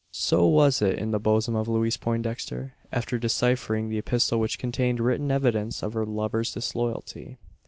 So was it in the bosom of Louise Poindexter after deciphering the epistle which contained written evidence of her lover's disloyalty.